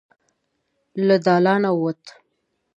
له دالانه ووته.